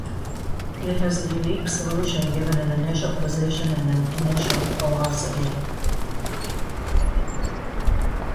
It has a unique solution, given an initial position and an initial velocity.